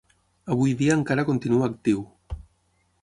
Avui dia encara continua actiu.